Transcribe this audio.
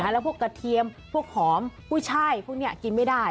แล้วพวกกระเทียมพวกหอมกุ้ยช่ายพวกนี้กินไม่ได้